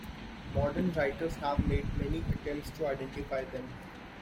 Modern writers have made many attempts to identify them.